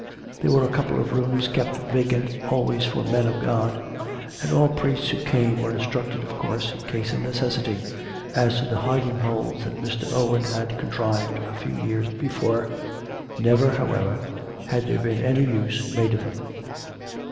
There were a couple of rooms kept vacant always for " men of God "; and all priests who came were instructed, of course (in case of necessity), as to the hiding holes that Mr. Owen had contrived a few years before. Never, how ever, had there been any use made of them.